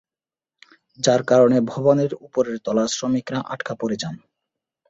যার কারণে ভবনের উপরের তলার শ্রমিকরা আটকা পড়ে যান।